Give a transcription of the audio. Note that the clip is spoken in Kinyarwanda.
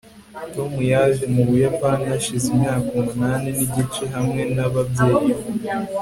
tom yaje mu buyapani hashize imyaka umunani nigice hamwe nababyeyi be